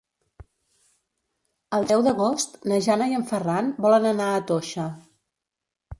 El deu d'agost na Jana i en Ferran volen anar a Toixa.